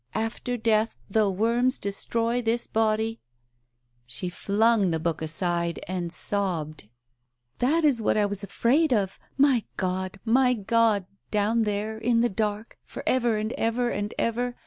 ' After death, though worms destroy this body '" She flung the book aside and sobbed. "That is what I was afraid of. My God ! My God ! Down there — in the dark — for ever and ever and ever